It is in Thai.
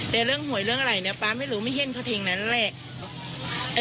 แต่เรื่องหวยเรื่องอะไรเนี่ยป๊าไม่รู้ไม่เห็นเขาเพลงนั้นแหละ